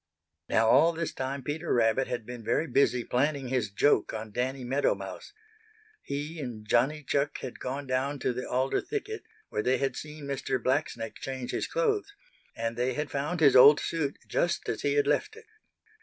Now all this time Peter Rabbit had been very busy planning his joke on Danny Meadow Mouse. He and Johnny Chuck had gone down to the alder thicket, where they had seen Mr. Blacksnake change his clothes, and they had found his old suit just as he had left it.